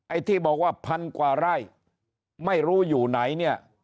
ไอ้ที่บอกว่าพันกว่าไร่ไม่รู้อยู่ไหนเนี่ย